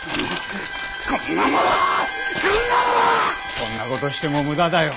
そんな事しても無駄だよ。